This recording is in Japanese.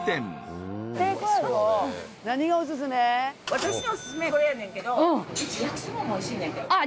私のお薦めこれやねんけど焼きそばもおいしいねんけど。